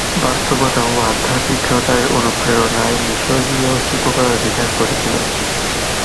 বাস্তবতা ও আধ্যাত্মিকতার অনুপ্রেরণায় মিশরীয় শিল্পকলার বিকাশ ঘটেছিল।